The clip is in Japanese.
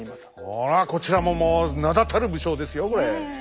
ほらこちらももう名だたる武将ですよこれ。